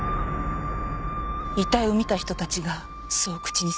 遺体を見た人たちがそう口にするのを見て。